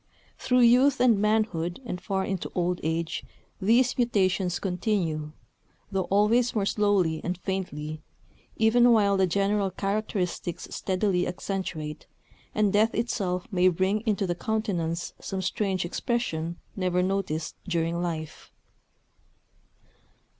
Through youth and manhood and far into old age these mutations continue, though always more slowly and faintly, even while the general characteristics steadily accentuate; and death itself may bring into the countenance some strange expression never noticed during life.